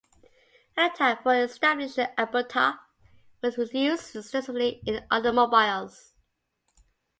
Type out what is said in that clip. At the time Ford established Alberta, wood was used extensively in automobiles.